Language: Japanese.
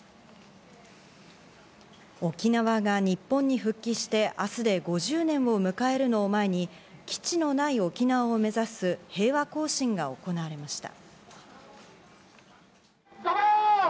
沖縄が日本に復帰して明日で５０年を迎えるのを前に、基地のない沖縄を目指す平和行進が行われました。